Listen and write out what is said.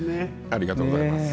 ありがとうございます。